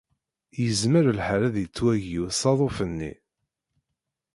Yezmer lḥal ad yettwagi usaḍuf-nni.